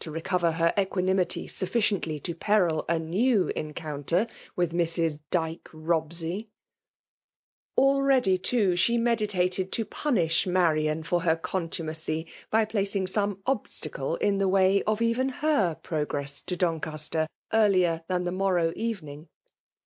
• "movet her cqttanimtty sufficiently to petil a iie\r en counter mth Mrs. Dyke Holbs^fk iklrejuiy, too, she meditated to punish Mari^A .for her contumacy, by placing som^ obslaela in the Mray of even her pi*ogre8s to Doneastei^ •earlier' than the morrow evening.